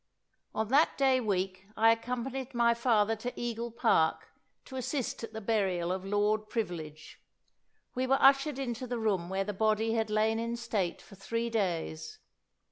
On that day week I accompanied my father to Eagle Park, to assist at the burial of Lord Privilege. We were ushered into the room where the body had lain in state for three days.